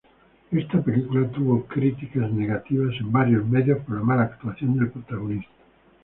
Esta película tuvo críticas negativas en varios medios por la mala actuación del protagonista.